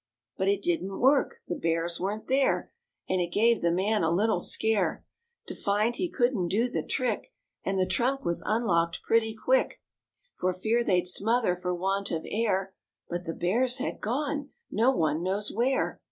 But it didn't work; the Bears weren't there, And it gave the man a little scare To find he couldn't do the trick, And the trunk was unlocked pretty quick For fear they'd smother for want of air, But the Bears had gone no one knows where.